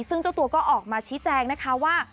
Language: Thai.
ซึ่งเจ้าตัวก็ออกมาชี้แจงนะคะว่า